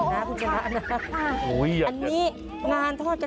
ทุกข้าทุกข้าทุกข้าทุกข้า